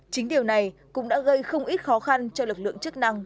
chính điều này cũng đã gây không ít khó khăn cho lực lượng chức năng